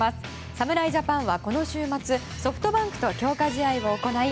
侍ジャパンはこの週末ソフトバンクと強化試合を行い